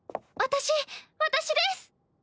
私私です！